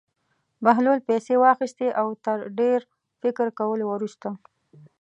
بهلول پېسې واخیستې او تر ډېر فکر کولو وروسته.